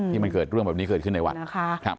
ที่มันเกิดเรื่องแบบนี้เกิดขึ้นในวัดนะคะ